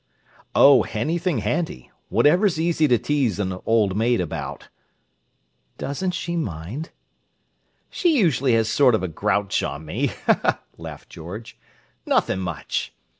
"Oh, anything handy—whatever's easy to tease an old maid about." "Doesn't she mind?" "She usually has sort of a grouch on me," laughed George. "Nothing much.